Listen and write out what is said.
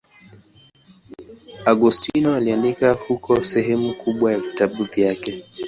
Agostino aliandika huko sehemu kubwa ya vitabu vyake.